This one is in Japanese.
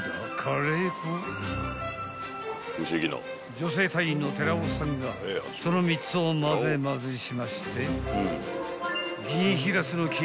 ［女性隊員の寺尾さんがその３つをまぜまぜしまして］